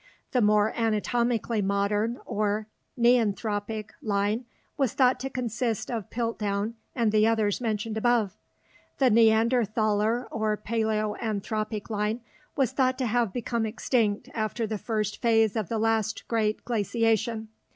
The more anatomically modern or "neanthropic" line was thought to consist of Piltdown and the others mentioned above. The Neanderthaler or paleoanthropic line was thought to have become extinct after the first phase of the last great glaciation.